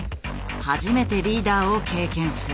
初めてリーダーを経験する。